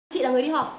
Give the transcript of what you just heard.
chị là người đi học